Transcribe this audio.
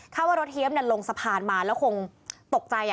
ว่ารถเฮียบลงสะพานมาแล้วคงตกใจ